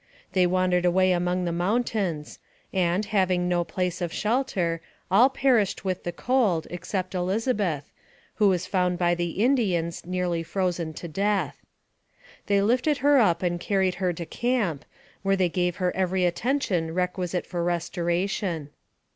They wandered away among the mountains, and, having no place of shelter, all perished with the cold, except Elizabeth, who was found by the AMONG THE SIOUX INDIANS. 239 Indians, nearly frozen to death. They lifted her up and carried her to camp, where they gave her every attention requisite for restoration.